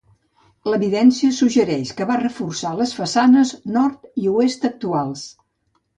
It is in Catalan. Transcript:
L'evidència suggereix que va reforçar les façanes nord i oest actuals.